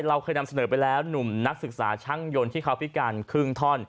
เราเคยนำเสนอไปแล้วหนุ่มนักศึกษาช่างยนต์ที่เขาพิการครึ่งท่อน